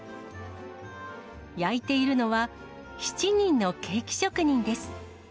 焼いているのは、７人のケーキ職人です。